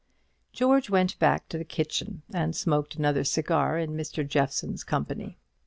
George went back to the kitchen and smoked another cigar in Mr. Jeffson's company.